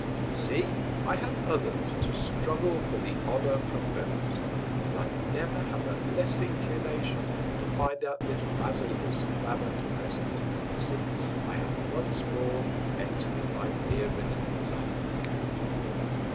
You see I have others to struggle for the Honour propos'd, and I never had a less Inclination to find out this Basilisk than at present, since I have once more met with my dearest Zadig.